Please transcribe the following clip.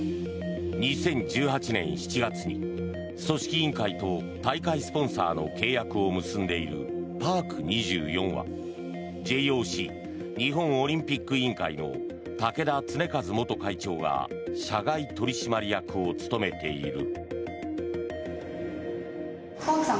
２０１８年７月に組織委員会と大会スポンサーの契約を結んでいるパーク２４は、ＪＯＣ・日本オリンピック委員会の竹田恒和元会長が社外取締役を務めている。